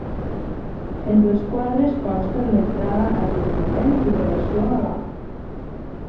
Entre els quadres consten l’entrada a Jerusalem i l’oració a l’hort.